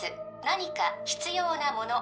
何か必要なもの